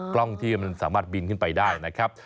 กล้องที่มันสามารถบินขึ้นไปได้นะครับ